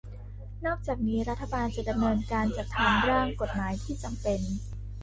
นอกจากนี้รัฐบาลจะดำเนินการจัดทำร่างกฎหมายที่จำเป็น